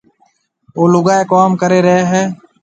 او لُگائي ڪوم ڪري رئي هيَ۔